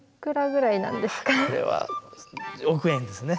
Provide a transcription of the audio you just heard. これは億円ですね。